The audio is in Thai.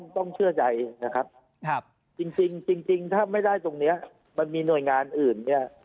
ต้องเชื่อใจนะครับจริงถ้าไม่ได้ตรงนี้มันมีหน่วยงานอื่นเนี่ย